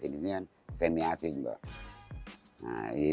di sini semi atlet